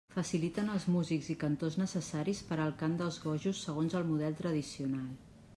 Faciliten els músics i cantors necessaris per al cant dels gojos segons el model tradicional.